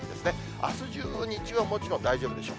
あす中、日中はもちろん大丈夫でしょう。